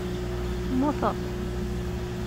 Temmuteḍ?